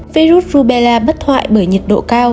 virus rubella bất thoại bởi nhiệt độ cao